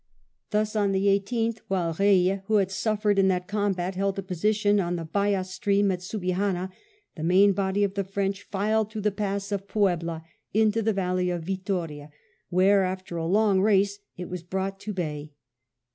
Thus on the 18th, while Eeille, who had suffered in that combat, held a position on the Bayas stream at Subijana, the main body of the French filed through the pass of Puebla into the valley of Vittoria, where, after a long race, it was brought to bay.